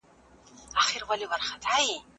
ښارونه او سازمانونه دلته څېړل کیږي.